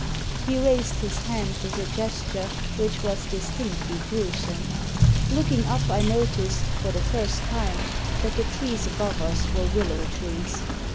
He raised his hand with a gesture which was dis tinctly gruesome. Looking up I noticed, for the first time, that the trees above us were willow trees.